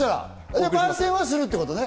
じゃあ番宣はするってことね。